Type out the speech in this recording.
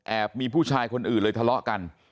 มีผู้ชายคนอื่นเลยทะเลาะกัน